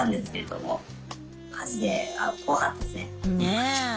ねえ。